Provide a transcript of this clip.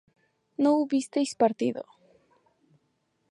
no hubisteis partido